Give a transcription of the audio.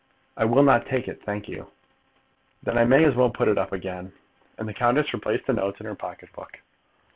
"I will not take it, thank you." "Then I may as well put it up again." And the countess replaced the notes in her pocket book.